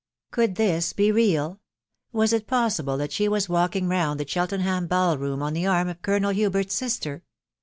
Could this be real ?.... Was it possible that she was walking round the Cheltenham ball room on the arm of Colonel Hubert's sister